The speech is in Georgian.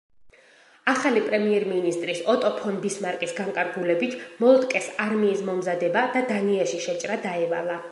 ახალი პრემიერ-მინისტრის, ოტო ფონ ბისმარკის განკარგულებით, მოლტკეს არმიის მომზადება და დანიაში შეჭრა დაევალა.